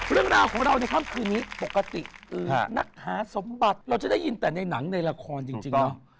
เรื่องราวของเราในค่ำคืนนี้ปกตินักหาสมบัติเราจะได้ยินแต่ในหนังในละครจริงเนอะ